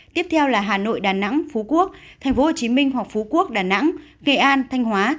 tiếp theo là hà nội đà nẵng phú quốc tp hcm hoặc phú quốc đà nẵng kỳ an thanh hóa